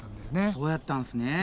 そうやったんすね。